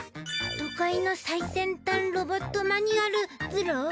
『都会の最先端ロボットマニュアル』ズラ？